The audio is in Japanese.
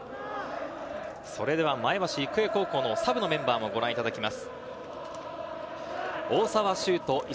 それでは前橋育英高校のサブのメンバーもご覧いただきます。